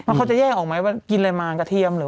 แล้วเขาจะแยกออกไหมกินรายุมารกระเทียมหรือ